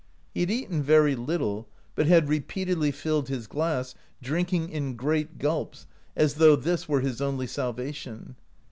He had eaten very little, but had repeatedly filled his glass, drinking in great gulps, as though this were his only salvation.